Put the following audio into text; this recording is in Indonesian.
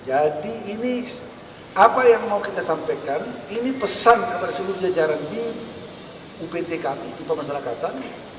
jadi ini apa yang mau kita sampaikan ini pesan kepada seluruh jajaran di uptkt di pemasarakatan